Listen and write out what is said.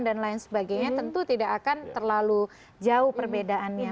dan lain sebagainya tentu tidak akan terlalu jauh perbedaannya